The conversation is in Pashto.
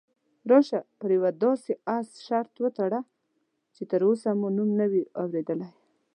راشه پر یوه داسې اس شرط وتړو چې تراوسه مو نوم نه وي اورېدلی.